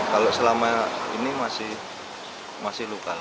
kalau selama ini masih lokal